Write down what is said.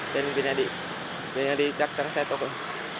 tên vin id chắc chắn sẽ tốt hơn